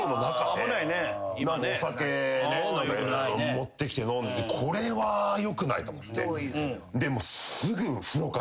持ってきて飲んでこれはよくないと思って。